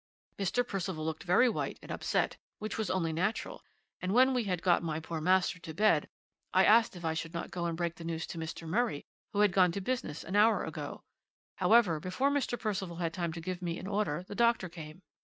"'Mr. Percival looked very white and upset, which was only natural; and when we had got my poor master to bed, I asked if I should not go and break the news to Mr. Murray, who had gone to business an hour ago. However, before Mr. Percival had time to give me an order the doctor came.